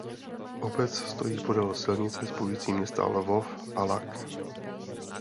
Obec stojí podél silnice spojující města Lvov a Luck.